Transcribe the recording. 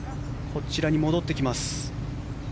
こちらに戻ってきます。